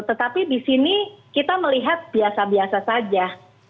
tetapi di sini kita melihat biasa biasa saja